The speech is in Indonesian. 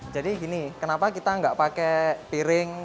gini kenapa kita nggak pakai piring